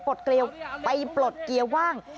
ไปปลดเกียวว่าง